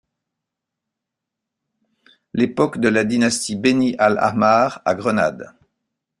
L'époque de la dynastie Beni al Ahmar à Grenade.